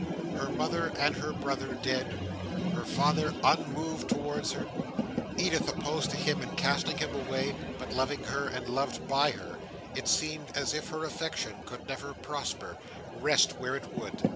Her mother and her brother dead, her father unmoved towards her, Edith opposed to him and casting him away, but loving her, and loved by her, it seemed as if her affection could never prosper, rest where it would.